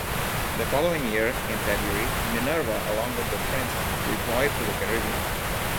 The following year, in February, "Minerva", along with the Prince, deployed to the Caribbean.